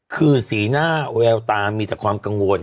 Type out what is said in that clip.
คือสีหน้าแววตามีแต่ความกังวล